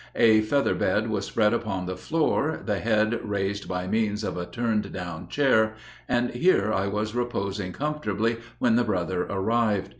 A feather bed was spread upon the floor, the head raised by means of a turned down chair, and here I was reposing comfortably when the brother arrived.